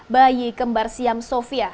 bayi kembar siam sofia